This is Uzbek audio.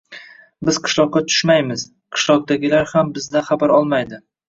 Biz qishloqqa tushmaymiz, qishloqdagilar ham bizdan xabar olmaydi.